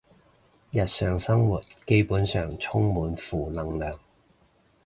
日常生活基本上充滿負能量